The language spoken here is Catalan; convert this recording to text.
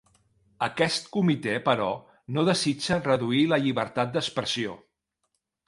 Aquest comitè, però, no desitja reduir la llibertat d'expressió